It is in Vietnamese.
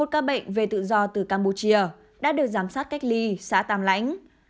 một ca bệnh về tự do từ campuchia đã được giám sát cách ly xã tàm lãnh